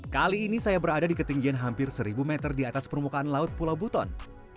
kali ini saya berada di ketinggian hampir seribu meter di atas permukaan laut pulau buton